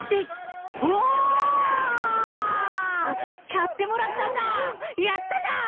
買ってもらったんだ⁉やったじゃん！